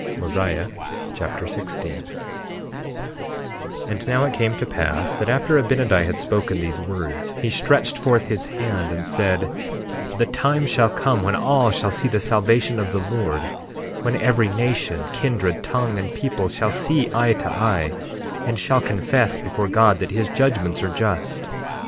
Mosiah Chapter 16 16:1 And now, it came to pass that after Abinadi had spoken these words he stretched forth his hand and said: The time shall come when all shall see the salvation of the Lord; when every nation, kindred, tongue, and people shall see eye to eye and shall confess before God that his judgments are just.